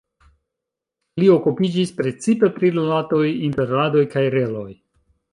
Li okupiĝis precipe pri rilatoj inter radoj kaj reloj.